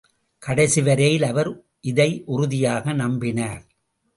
கடைசி வரையில் அவர் இதை உறுதியாக நம்பினார்.